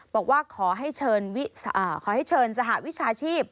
บอกว่าขอให้เชิญสหวิชาชีพ